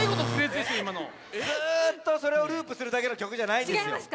ずっとそれをループするだけの曲じゃないんですよ。